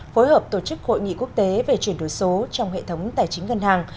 phối hợp tổ chức hội nghị quốc tế về chuyển đổi số trong hệ thống tài chính ngân hàng